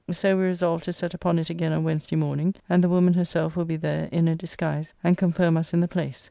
So we resolved to set upon it again on Wednesday morning; and the woman herself will be there in a disguise, and confirm us in the place.